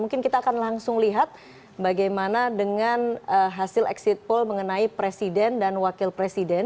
mungkin kita akan langsung lihat bagaimana dengan hasil exit poll mengenai presiden dan wakil presiden